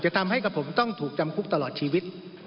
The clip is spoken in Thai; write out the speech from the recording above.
ทำให้กับผมต้องถูกจำคุกตลอดชีวิต